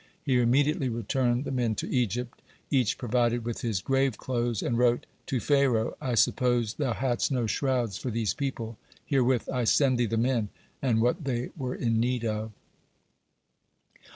He immediately returned the men to Egypt, each provided with his grave clothes, and wrote: "To Pharaoh! I suppose thou hadst no shrouds for these people. Herewith I send thee the men, and what they were in need of."